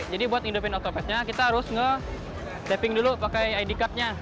jadi buat hidupin otopetnya kita harus nge taping dulu pakai id card nya